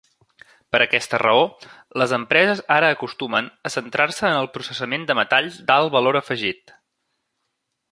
Per aquesta raó, les empreses ara acostumen a centrar-se en el processament de metalls d'alt valor afegit.